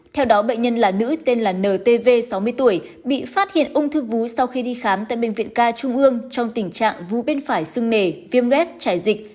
theo đó bệnh nhân là nữ tên là ntv sáu mươi tuổi bị phát hiện ung thư vú sau khi đi khám tại bệnh viện ca trung ương trong tình trạng vu bên phải sưng nề viêm rết chảy dịch